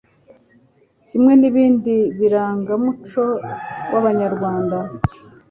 Kimwe n'ibindi birangamuco w'Abanyarwanda,